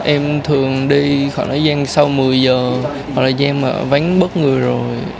em thường đi khoảng thời gian sau một mươi giờ khoảng thời gian mà vánh bớt người rồi